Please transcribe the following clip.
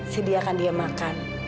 sediakan dia makan